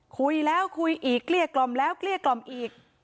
คุยแล้วคุยอีกเกลี้ยกล่อมแล้วเกลี้ยกล่อมอีก